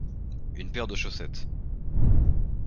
Une paire de chaussettes.